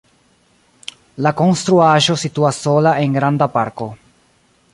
La konstruaĵo situas sola en granda parko.